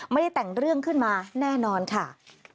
ไม่ได้แต่งเรื่องขึ้นมาแน่นอนค่ะ